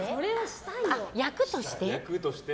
役として？